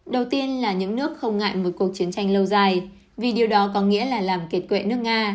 đầu tiên là những nước không ngại một cuộc chiến tranh lâu dài vì điều đó có nghĩa là làm kiệt quệ nước nga